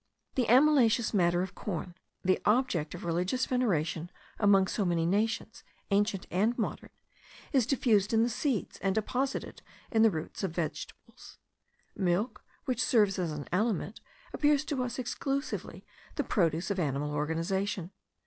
The amylaceous matter of corn, the object of religious veneration among so many nations, ancient and modern, is diffused in the seeds, and deposited in the roots of vegetables; milk, which serves as an aliment, appears to us exclusively the produce of animal organization.